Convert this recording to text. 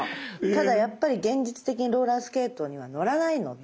ただやっぱり現実的にローラースケートには乗らないので。